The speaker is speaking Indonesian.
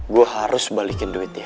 gue harus balikin duitnya